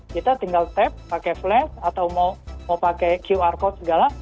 kita tinggal tap pakai flash atau mau pakai qr code segala